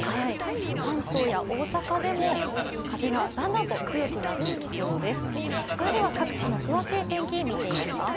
関東や大阪でも風がだんだんと強くなってきそうです。